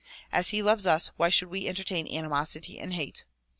As he loves us why should we entertain animosity and hate?